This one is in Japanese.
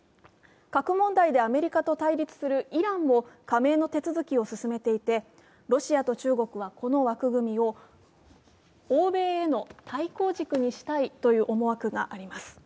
核問題でアメリカと対決するイランも、加盟の手続きを進めていてロシアと中国はこの枠組みを欧米への対抗軸にしたいという思惑があります。